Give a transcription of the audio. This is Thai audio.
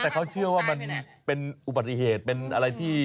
แต่เขาเชื่อว่ามันเป็นอุบัติเหตุเป็นอะไรที่